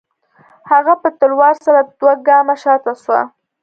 هغه په تلوار سره دوه گامه شاته سوه.